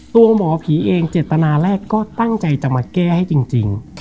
หมอผีเองเจตนาแรกก็ตั้งใจจะมาแก้ให้จริง